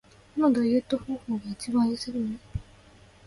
どのダイエット方法が一番痩せるの？